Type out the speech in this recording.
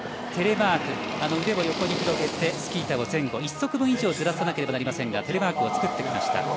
テレマーク、腕を横に広げてスキー板を前後１足分以上ずらさなければなりませんがテレマークを作ってきました。